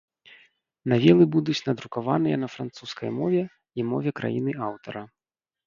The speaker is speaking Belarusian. Навелы будуць надрукаваныя на французскай мове і мове краіны аўтара.